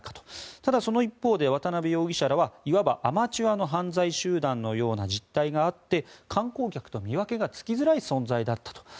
ただ、その一方で渡邉容疑者はいわばアマチュアの犯罪集団のような実態があって観光客と見分けがつきづらい存在だったと。